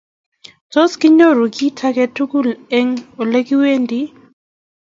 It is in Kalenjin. Tos kinyoru kit age tugul eng olekiwendi